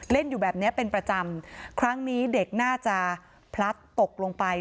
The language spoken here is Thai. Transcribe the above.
อยู่แบบเนี้ยเป็นประจำครั้งนี้เด็กน่าจะพลัดตกลงไป